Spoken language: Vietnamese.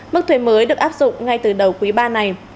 mức thuế mới được áp dụng ngay từ đầu quý ba này